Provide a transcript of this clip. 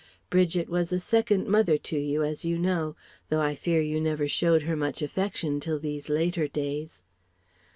Bridget was a second mother to you as you know, though I fear you never showed her much affection till these later days.